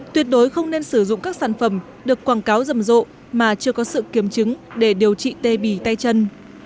tuyệt đối không nên sử dụng các sản phẩm được quảng cáo rầm rộ mà chưa có sự kiểm chứng để điều trị tê bì tay chân